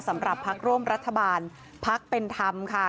สำหรับพักร่วมรัฐบาลพักเป็นธรรมค่ะ